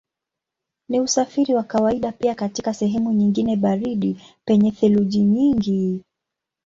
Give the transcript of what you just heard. Ni usafiri wa kawaida pia katika sehemu nyingine baridi penye theluji nyingi.